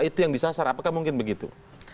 itu yang disasar apakah mungkin begitu